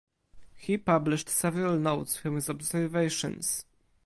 He published several notes from his observations.